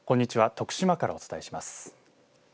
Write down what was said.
徳島からお伝えします。